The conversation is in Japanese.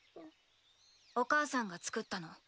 お母さんが作ったの。